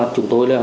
chúng tôi là